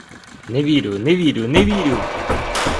Не вірю, не вірю, не вірю!